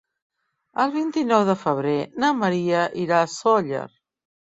El vint-i-nou de febrer na Maria irà a Sóller.